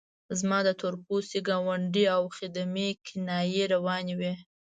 زما د تور پوستي ګاونډي او خدمې کنایې روانې وې.